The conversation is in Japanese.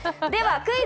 クイズ。